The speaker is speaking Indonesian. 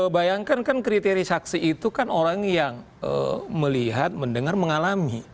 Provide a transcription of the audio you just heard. bayangkan kan kriteri saksi itu kan orang yang melihat mendengar mengalami